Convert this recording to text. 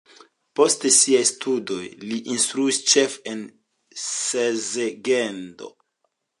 Post siaj studoj li instruis ĉefe en Szeged.